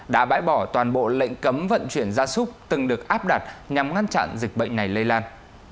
đã bãi bỏ toàn bộ lệnh cấm vận chuyển gia súc từng được áp đặt nhằm ngăn chặn dịch bệnh này lây lan